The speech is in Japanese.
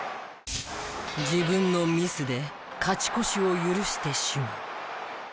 自分のミスで勝ち越しを許してしまう。